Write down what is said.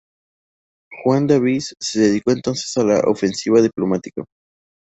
Juan de Avís se dedicó entonces a la ofensiva diplomática.